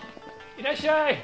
いらっしゃい。